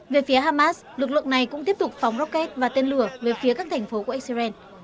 về phía hamas lực lượng này cũng tiếp tục phóng rocket và tên lửa về phía các thành phố của israel